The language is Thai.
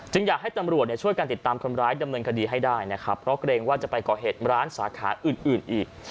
อยากให้ตำรวจช่วยการติดตามคนร้ายดำเนินคดีให้ได้นะครับเพราะเกรงว่าจะไปก่อเหตุร้านสาขาอื่นอีก